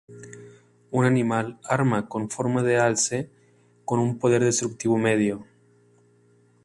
Un animal-arma con forma de alce con un poder destructivo medio.